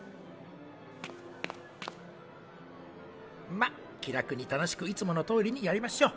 まっ気楽に楽しくいつものとおりにやりましょう。